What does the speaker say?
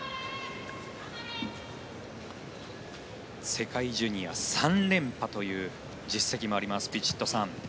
世界ジュニア３連覇という実績もありますヴィチットサーン。